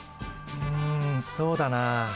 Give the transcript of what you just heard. んそうだな。